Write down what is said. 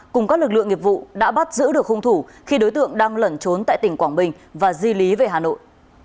cùng các lực lượng nghiệp vụ đã bắt giữ được hung thủ khi đối tượng đang lẩn trốn tại tỉnh quảng bình và di lý về hà nội